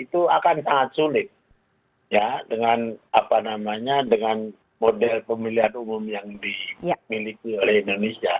itu akan sangat sulit dengan model pemilihan umum yang dimiliki oleh indonesia